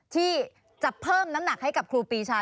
ที่จะเพิ่มน้ำหนักให้กับครูปีชา